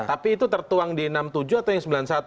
tapi itu tertuang di enam puluh tujuh atau yang sembilan puluh satu